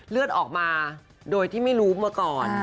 เลือดออกมาโดยที่ไม่รู้มาก่อน